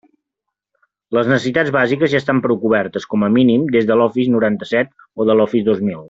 Les necessitats bàsiques ja estan prou cobertes, com a mínim, des de l'Office noranta-set o l'Office dos mil.